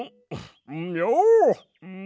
よう！